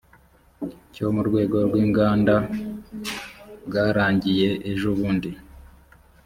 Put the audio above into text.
cyo mu rwego rw’inganda bwarangiye ejo bundi